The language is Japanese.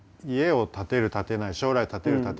家を建てる建てない将来建てる